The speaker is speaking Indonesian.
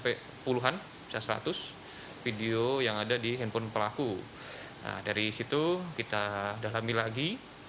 nf lima puluh bukan sampai puluhan seratus video yang ada di handphone pelaku dari situ kita dah lami lagi